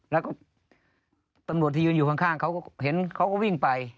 แล้วก็ตำรวจที่ยืนอยู่ข้างเขาก็เห็นเขาก็วิ่งไป